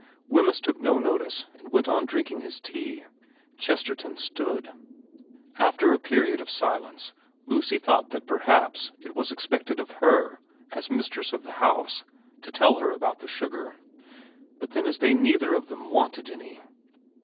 Wemyss took no notice, and went on drinking his tea. Chesterton stood. After a period of silence Lucy thought that perhaps it was expected of her as mistress of the house to tell her about the sugar ; but then as they neither of them wanted any.